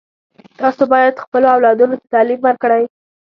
تاسو باید خپلو اولادونو ته تعلیم ورکړئ